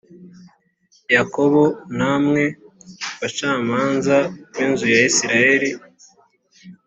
yakobo namwe bacamanza b inzu ya isirayeli